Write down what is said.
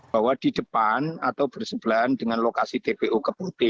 bahwa di depan atau bersebelahan dengan lokasi tpu keputi